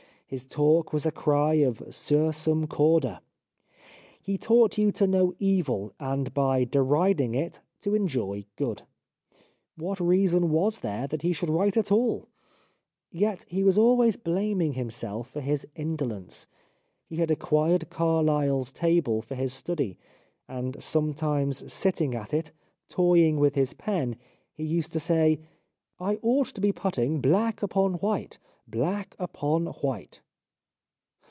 His talk was a cry of Sursum Cor da. He taught you to know evil, and by deriding it to enjoy good. What reason was there that he should write at all ? Yet he was always blaming himself for his indolence. He had acquired Carlyle's table for his study, and sometimes sitting at it, toying with his pen, he used to say : "I ought to be putting black upon white, black upon white."